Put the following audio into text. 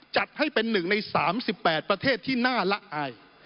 จัดให้เป็นหนึ่งในสามสิบแปดประเทศที่น่าละอาย